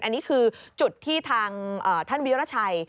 อันนี้คือจุดที่ทางท่านวิราชัย